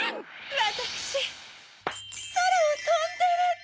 わたくしそらをとんでる。